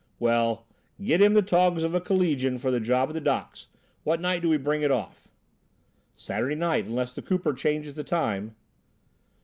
"Well, get him the togs of a collegian for the job at the docks. What night do we bring it off?" "Saturday night, unless the Cooper changes the time."